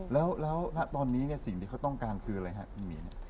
แล้วตอนนี้สิ่งที่เขาต้องการคืออะไรค่ะพี่หมี่